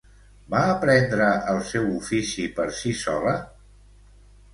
Va aprendre el seu ofici per si sola?